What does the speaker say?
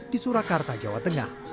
di surakarta jawa tengah